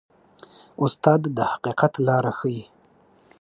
استاد د حقیقت لاره ښيي.